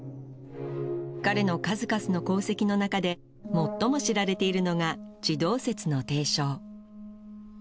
彼の数々の功績の中で最も知られているのが地動説の提唱